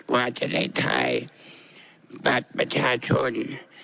อาจจะได้ทายบัตรประชาชน